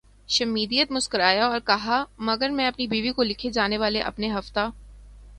Schmidt مسکرایا اور کہا مگر میں اپنی بیوی کو لکھے جانے والے اپنے ہفتہ